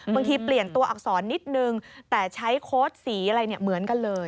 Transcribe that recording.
เปลี่ยนตัวอักษรนิดนึงแต่ใช้โค้ดสีอะไรเนี่ยเหมือนกันเลย